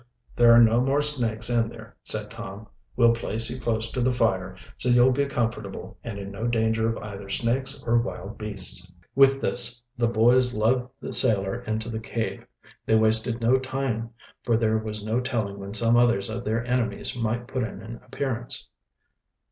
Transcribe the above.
"There are no more snakes in there," said Tom. "We'll place you close to the fire, so you'll be comfortable and in no danger of either snakes or wild beasts." With this the boys lugged the sailor into the cave. They wasted no time, for there was no telling when some others of their enemies might put in an appearance.